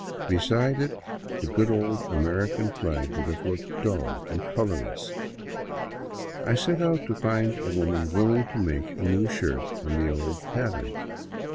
Beside it the good old American flag would have looked dull and colorless. I set out to find a woman will ing to make a new shirt on the pattern of the old.